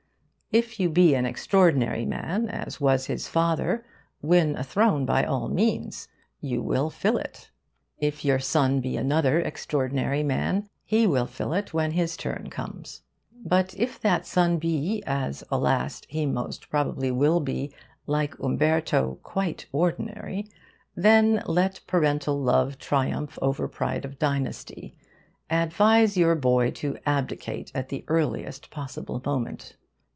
If you be an extraordinary man, as was his father, win a throne by all means: you will fill it. If your son be another extraordinary man, he will fill it when his turn comes. But if that son be, as, alas, he most probably will be, like Umberto, quite ordinary, then let parental love triumph over pride of dynasty: advise your boy to abdicate at the earliest possible moment.